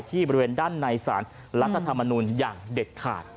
บริเวณด้านในสารรัฐธรรมนูลอย่างเด็ดขาด